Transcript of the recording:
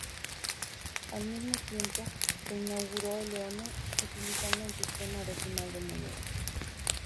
Al mismo tiempo, se inauguró el Leone, utilizando un sistema decimal de moneda.